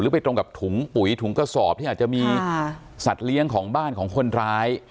ไปตรงกับถุงปุ๋ยถุงกระสอบที่อาจจะมีสัตว์เลี้ยงของบ้านของคนร้าย